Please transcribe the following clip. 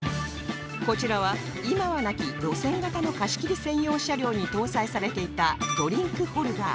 こちらは今はなき路線型の貸切専用車両に搭載されていたドリンクホルダー